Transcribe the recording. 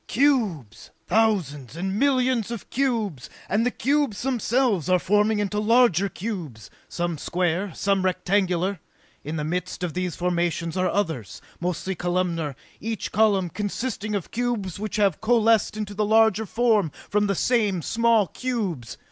"Cubes! Thousands and millions of cubes, and the cubes themselves are forming into larger cubes, some square, some rectangular! In the midst of these formations are others, mostly columnar, each column consisting of cubes which have coalesced into the larger form from the same small cubes!